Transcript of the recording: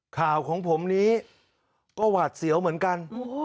ของผมนี้ก็หวาดเสียวเหมือนกัน